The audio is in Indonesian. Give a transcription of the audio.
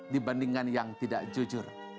dibandingkan yang tidak jujur